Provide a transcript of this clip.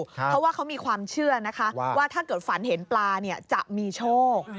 เพราะว่าเขามีความเชื่อนะคะว่าถ้าเกิดฝันเห็นปลาจะมีโชค